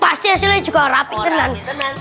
pasti hasilnya juga rapi tenang